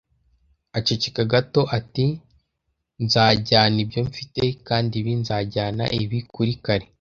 Aceceka gato ati: "Nzajyana ibyo mfite." "Kandi ibi nzajyana ibi kuri kare